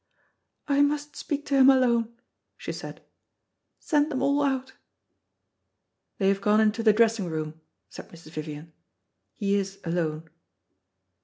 "I must speak to him alone," she said. "Send them all out." "They have gone into the dressing room," said Mrs. Vivian; "he is alone."